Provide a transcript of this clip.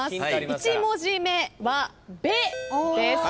１文字目は「べ」です。